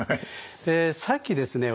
えさっきですね